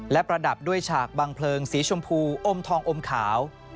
และประดับด้วยฉากบังเพลิงสีชมพูอมทองอมขาว